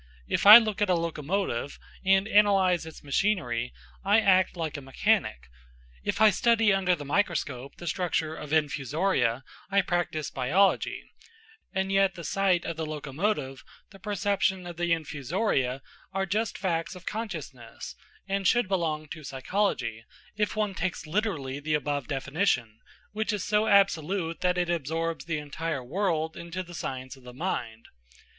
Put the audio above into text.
If I look at a locomotive, and analyse its machinery, I act like a mechanic; if I study under the microscope the structure of infusoria, I practise biology; and yet the sight of the locomotive, the perception of the infusoria, are just facts of consciousness, and should belong to psychology, if one takes literally the above definition, which is so absolute that it absorbs the entire world into the science of the mind.